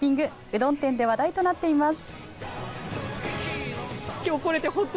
うどん店で話題となっています。